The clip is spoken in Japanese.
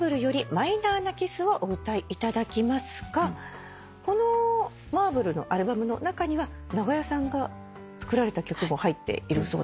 『マイナーなキス』をお歌いいただきますがこの『ｍａｒｂｌｅ』のアルバムの中には長屋さんが作られた曲も入っているそうですね。